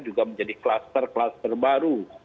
juga menjadi kluster kluster baru